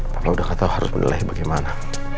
papa udah gak tau harus menilai bagaimana